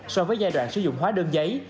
so với giai đoạn sử dụng hóa đơn giấy